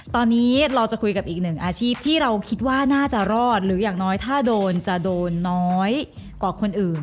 ตอนนี้เราจะคุยกับอีกหนึ่งอาชีพที่เราคิดว่าน่าจะรอดหรืออย่างน้อยถ้าโดนจะโดนน้อยกว่าคนอื่น